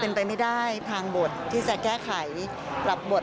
เป็นไปไม่ได้ทางบทที่จะแก้ไขปรับบท